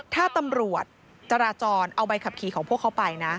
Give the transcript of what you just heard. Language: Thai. ถ้าตำรวจจราจรเอาใบขับขี่ของพวกเขาไปนะ